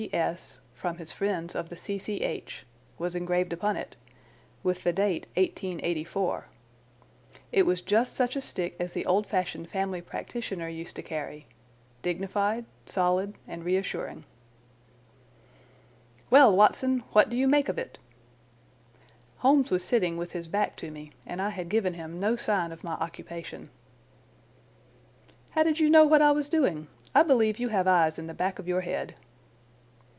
C.S., from his friends of the C.C.H.," was engraved upon it, with the date "1884." It was just such a stick as the old fashioned family practitioner used to carry—dignified, solid, and reassuring. "Well, Watson, what do you make of it?" Holmes was sitting with his back to me, and I had given him no sign of my occupation. "How did you know what I was doing? I believe you have eyes in the back of your head."